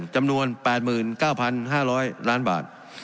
จำนวน๘๙๕๐๐ล้านบาท